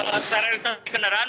ya secara insensi kendaraan